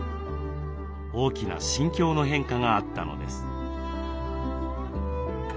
大きな心境の変化があったのです。